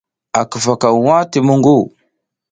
A kifa ka waʼa ti muƞgu.